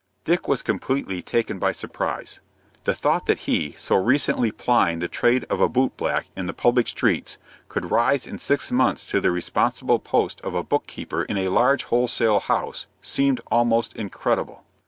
Dick was completely taken by surprise. The thought that he, so recently plying the trade of a boot black in the public streets, could rise in six months to the responsible post of a book keeper in a large wholesale house, seemed almost incredible.